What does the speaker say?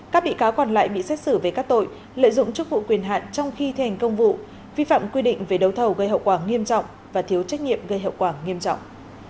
các bị cáo còn lại bị xét xử về các tội lợi dụng chức vụ quyền hạn trong khi thi hành công vụ vi phạm quy định về đấu thầu gây hậu quả nghiêm trọng và thiếu trách nhiệm gây hậu quả nghiêm trọng